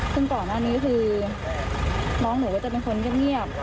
ซึ่งก่อนหน้านี้คือน้องหนูก็จะเป็นคนเงียบ